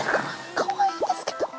かわいいんですけど！